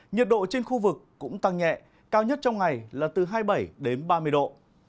nhiệt độ trên khu vực cũng tăng nhẹ cao nhất trong ngày là từ hai mươi bảy đến ba mươi độ